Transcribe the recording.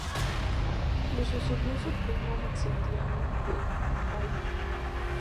Le sucedió su primo Maximiliano de Baden.